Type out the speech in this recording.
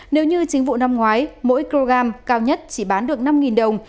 nếu như chính vụ năm ngoái mỗi kg cao nhất chỉ bán được năm đồng